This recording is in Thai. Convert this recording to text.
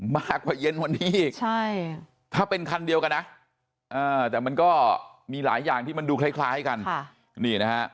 มากกว่าเย็นวันนี้อีกถ้าเป็นคันเดียวกันนะแต่มันก็มีหลายอย่างที่มันดูคล้ายกันนี่นะฮะ